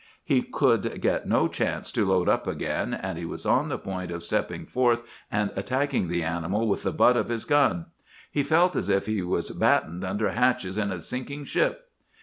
"He could get no chance to load up again, and he was on the point of stepping forth and attacking the animal with the butt of his gun. He felt as if he was battened under hatches in a sinking ship.